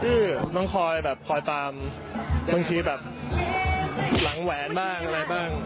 ชื่อน้องคอยแบบคอยตามบางทีแบบหลังแหวนบ้างอะไรบ้าง